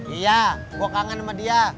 iya gue kangen sama dia